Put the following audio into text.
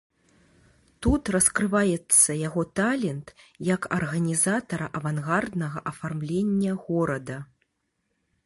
Тут раскрываецца яго талент як арганізатара авангарднага афармлення горада.